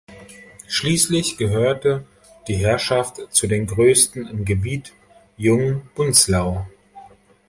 Schließlich gehörte die Herrschaft zu den größten im Gebiet Jungbunzlau.